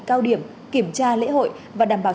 cao điểm kiểm tra lễ hội và đảm bảo